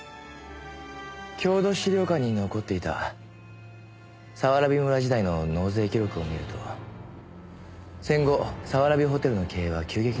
郷土資料館に残っていた早蕨村時代の納税記録を見ると戦後早蕨ホテルの経営は急激に悪化していました。